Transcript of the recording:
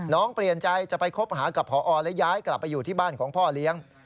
เปลี่ยนใจจะไปคบหากับพอและย้ายกลับไปอยู่ที่บ้านของพ่อเลี้ยง